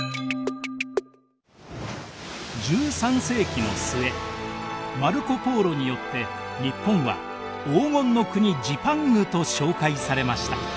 １３世紀の末マルコ・ポーロによって日本は黄金の国・ジパングと紹介されました。